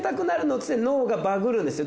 っつって脳がバグるんですよ。